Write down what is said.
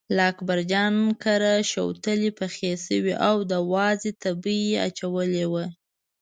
له اکبرجان کره شوتلې پخې شوې او د وازدې تبی یې اچولی و.